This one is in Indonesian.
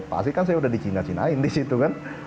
pasti kan saya udah dicina cinain di situ kan